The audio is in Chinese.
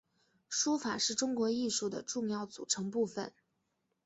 书法是中国艺术的重要组成部份。